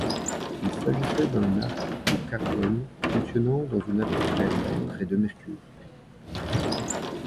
Il s'agissait d'un arc au carbone fonctionnant dans une atmosphère d'air et de mercure.